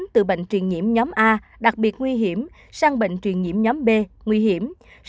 từ bệnh truyền nhiễm nhóm a đặc biệt nguy hiểm sang bệnh truyền nhiễm nhóm b nguy hiểm